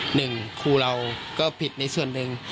หนึ่งครูเราก็ผิดในส่วนหนึ่ง